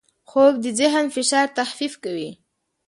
خوب د ذهن فشار تخفیف کوي